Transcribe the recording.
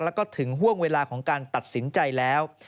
แล้วก็ถึงห่วงเวลาของการตัดสินใจแล้ว